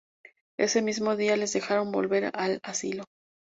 Ese mismo día les dejaron volver al asilo.